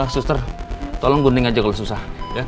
suster tolong gunding aja kalau susah